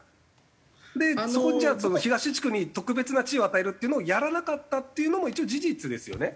そこにじゃあ東地区に特別な地位を与えるっていうのをやらなかったっていうのも一応事実ですよね。